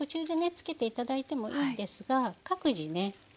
付けて頂いてもいいんですが各自ね